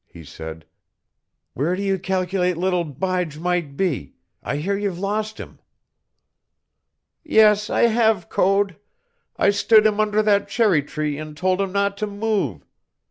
he said. "Where do you cal'late little Bige might be? I hear you've lost him." "Yes, I have, Code. I stood him under that cherry tree and told him not to move.